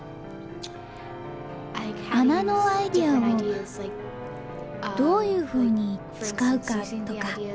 穴のアイデアをどういうふうに使うかとか。